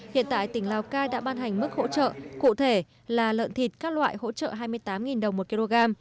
hiện tại tỉnh lào cai đã ban hành mức hỗ trợ cụ thể là lợn thịt các loại hỗ trợ hai mươi tám đồng một kg